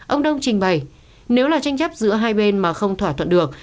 ông đông trình bày nếu là tranh chấp giữa hai bên mà không thỏa thuận được